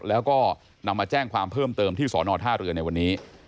แล้วก็นำมาแจ้งความเพิ่มเติมที่สอนอท่าเรือในวันนี้